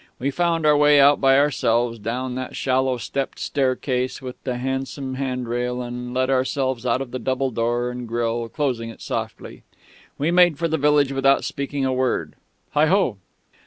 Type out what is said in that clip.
We found our way out by ourselves, down that shallow stepped staircase with the handsome handrail, and let ourselves out of the double door and grille, closing it softly. We made for the village without speaking a word.... Heigho!..."